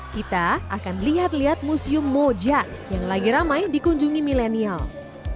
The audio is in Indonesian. kita akan lihat lihat museum moja yang lagi ramai dikunjungi milenials